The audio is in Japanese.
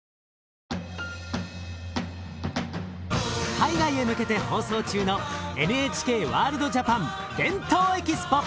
海外へ向けて放送中のＮＨＫワールドＪＡＰＡＮ「ＢＥＮＴＯＥＸＰＯ」！